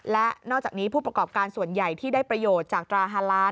และนอกจากนี้ผู้ประกอบการส่วนใหญ่ที่ได้ประโยชน์จากตราฮาล้าน